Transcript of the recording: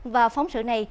và phóng sửa này